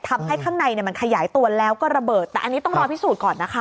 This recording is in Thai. ข้างในมันขยายตัวแล้วก็ระเบิดแต่อันนี้ต้องรอพิสูจน์ก่อนนะคะ